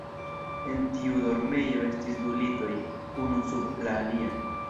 En tiu dormejo estis du litoj, unu sub la alia.